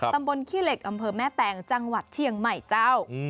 ขี้เหล็กอำเภอแม่แตงจังหวัดเชียงใหม่เจ้า